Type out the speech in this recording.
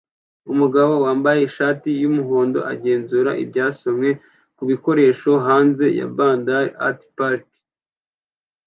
Umugabo wambaye ishati yumuhondo agenzura ibyasomwe kubikoresho hanze ya Barnsdall Art Park